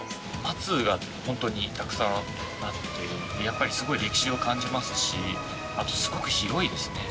松がほんとにたくさんあってやっぱりすごい歴史を感じますしあとすごく広いですね。